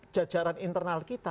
jajaran internal kita